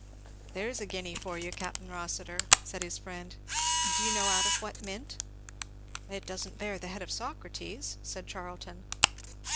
'" "There's a guinea for you, Capt. Rossitur," said his friend. "Do you know out of what mint?" "It doesn't bear the head of Socrates," said Charlton.